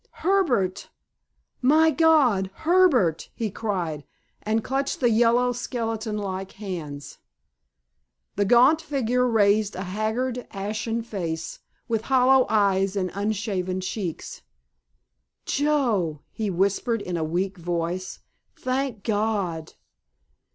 "Herbert—my God, Herbert!" he cried, and clutched the yellow, skeleton like hands. The gaunt figure raised a haggard, ashen face, with hollow eyes and unshaven cheeks. "Joe!" he whispered in a weak voice; "thank God!"